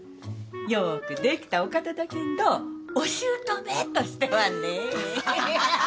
よくできたお方だけんどお姑としてはねぇ。